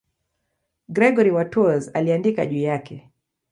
Gregori wa Tours aliandika juu yake.